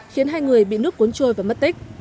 khiến hai người bị nước cuốn trôi và mất tích